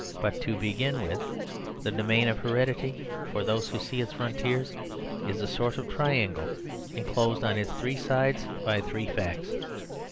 But to begin with, the domain of heredity (for those who see its frontiers) is a sort of triangle, enclosed on its three sides by three facts.